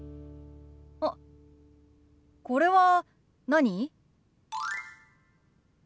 あっこれは何？